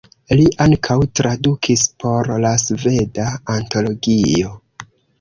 Li ankaŭ tradukis por la Sveda Antologio.